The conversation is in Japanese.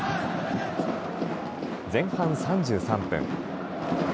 前半３３分。